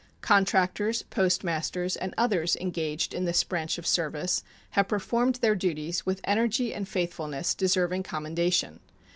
Contractors, postmasters, and others engaged in this branch of the service have performed their duties with energy and faithfulness deserving commendation.